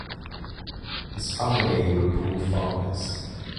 His family were poor farmers.